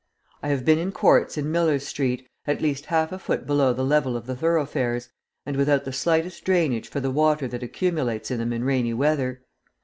I have been in courts, in Millers Street, at least half a foot below the level of the thoroughfares, and without the slightest drainage for the water that accumulates in them in rainy weather!